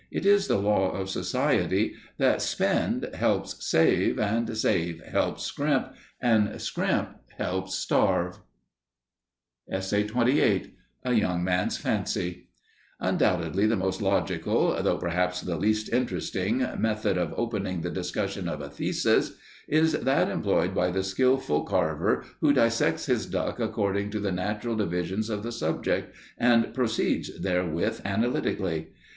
It is the law of society that Spend helps Save, and Save helps Scrimp, and Scrimp helps Starve. *A Young Man's Fancy* Undoubtedly the most logical, though perhaps the least interesting, method of opening the discussion of a thesis, is that employed by the skillful carver who dissects his duck according to the natural divisions of the subject and proceeds therewith analytically.